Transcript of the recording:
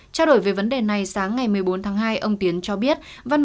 trao đổi về vấn đề này sáng ngày một mươi bốn tháng hai ông tiến cho biết